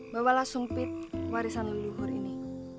bawalah sempit warisan leluhur ini